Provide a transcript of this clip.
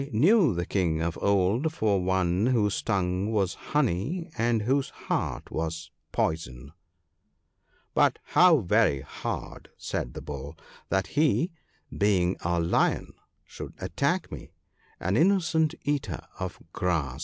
* Bull,' said Damanaka, * I knew the King of old for one whose tongue was honey and whose heart was poison.' ' But how very hard !' said the Bull, ' that he, being a lion, should attack me, an innocent eater of grass